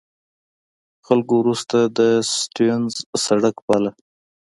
خلکو وروسته د سټیونز سړک باله.